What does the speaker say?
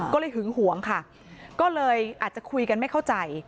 ก็เลยหึงหวงค่ะก็เลยอาจจะคุยกันไม่เข้าใจ